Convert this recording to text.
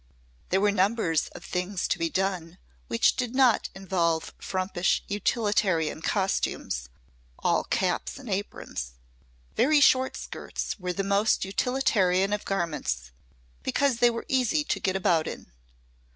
There were numbers of things to be done which did not involve frumpish utilitarian costumes, all caps and aprons. Very short skirts were the most utilitarian of garments because they were easy to get about in.